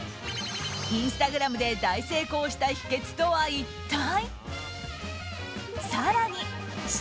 インスタグラムで大成功した秘訣とは一体。